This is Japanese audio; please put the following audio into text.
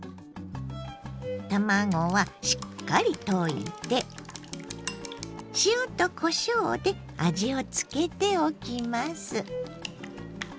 卵はしっかり溶いて塩とこしょうで味を付けておきます。